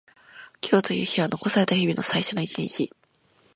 今日という日は残された日々の最初の一日。